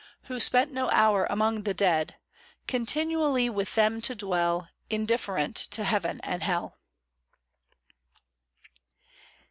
Who spent no hour among the dead ; Continually With them to dwell. Indifferent to heaven and hell.